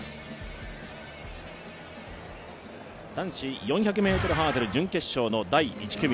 男子４００ｍハードル準決勝の第１組。